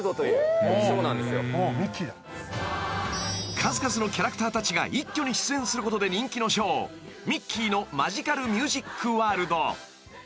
［数々のキャラクターたちが一挙に出演することで人気のショーミッキーのマジカルミュージックワールド］